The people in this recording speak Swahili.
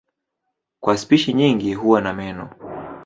Kwa spishi nyingi huwa na meno.